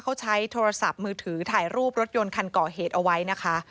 เขาใช้โทรศัพท์มือถือถ่ายรูปรถยนต์คันก่อเหตุเอาไว้นะคะ